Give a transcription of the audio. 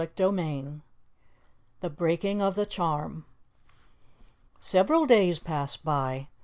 CHAPTER IX THE BREAKING OF THE CHARM Several days passed by.